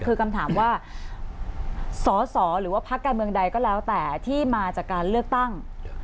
คือคำถามว่าสอสอหรือว่าพักการเมืองใดก็แล้วแต่ที่มาจากการเลือกตั้ง